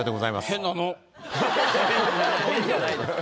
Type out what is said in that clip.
変じゃないです。